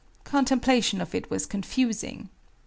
Contemplation of it was confusing.